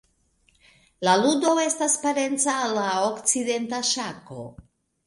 La ludo estas parenca al la okcidenta ŝako.